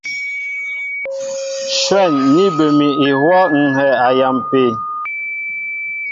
Shwɛ̂n ní bə mi ihwɔ́ ŋ̀ hɛɛ a yampi.